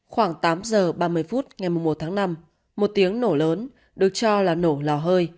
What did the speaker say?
khoảng tám giờ ba mươi phút ngày một tháng năm một tiếng nổ lớn được cho là nổ lò hơi